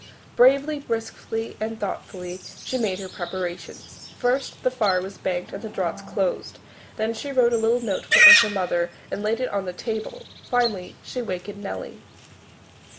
Bravely, briskly and thoughtfully she made her preparations. First, the fire was banked and the draughts dosed; then she wrote a little note for her mother and laid it on the table. Finally she wakened Nellie.